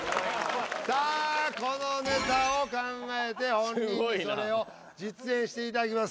さあこのネタを考えて本人にそれを実演していただきます。